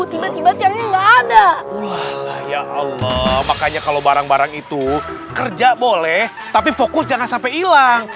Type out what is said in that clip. tiba tiba tidak ada makanya kalau barang barang itu kerja boleh tapi fokus jangan sampai ilang